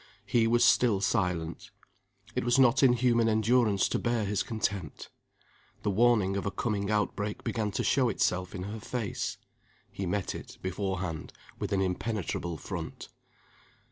He was still silent. It was not in human endurance to bear his contempt. The warning of a coming outbreak began to show itself in her face. He met it, beforehand, with an impenetrable front.